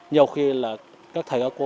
nhiều khi là các thầy cô giáo